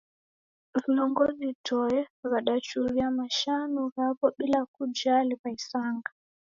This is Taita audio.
Vilongozi toe w'adachuria mashano ghaw'o bila kujali w'aisanga!